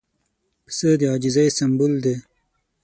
پسه د عاجزۍ سمبول دی.